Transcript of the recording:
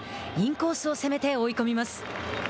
インコースを攻めて追い込みます。